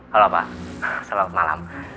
halo pak selamat malam